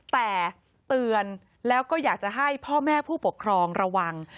แต่เตือนแล้วก็อยากจะให้พ่อแม่ผู้ปกครองระวัง